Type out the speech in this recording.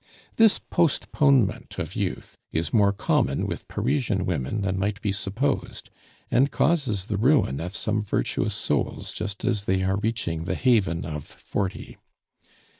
This postponement of youth is more common with Parisian women than might be supposed, and causes the ruin of some virtuous souls just as they are reaching the haven of forty.